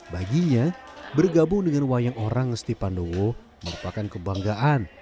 baginya bergabung dengan wayang orang ngesti pandowo merupakan kebanggaan